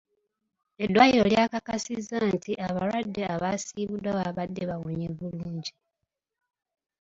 Eddwaliro lya kakasizza nti abalwadde abasiibuddwa baabadde bawonye bulungi.